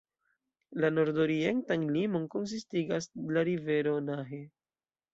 La nordorientan limon konsistigas la rivero Nahe.